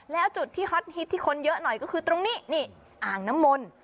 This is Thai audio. แล้วจุดที่ฮอตฮิตที่คนเยอะหน่อยก็คือตรงนี้นี่อ่างน้ำมนต์